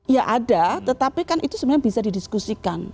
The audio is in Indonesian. ya ada tetapi kan itu sebenarnya bisa didiskusikan